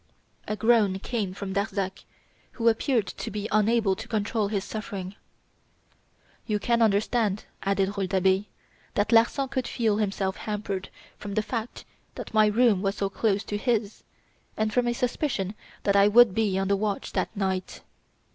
A groan came from Darzac, who appeared to be unable to control his suffering. "You can understand," added Rouletabille, "that Larsan would feel himself hampered from the fact that my room was so close to his, and from a suspicion that I would be on the watch that night.